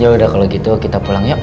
yaudah kalau gitu kita pulang yuk